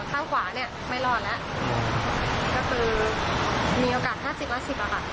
ข้างขวาเนี่ยไม่รอดแล้วก็คือมีโอกาสห้าสิบละสิบอ่ะค่ะ